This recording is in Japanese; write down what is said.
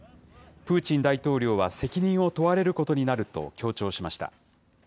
プーチン大統領は責任を問われることになると強調しました。